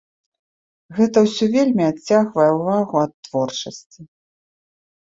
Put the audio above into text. Гэта ўсё вельмі адцягвае ўвагу ад творчасці.